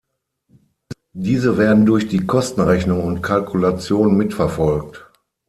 Diese werden durch die Kostenrechnung und Kalkulation mit verfolgt.